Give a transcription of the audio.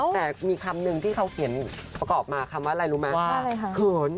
แต่มีคำนึงที่เขาเขียนประกอบมาคำว่าอะไรรู้ไหมเขิน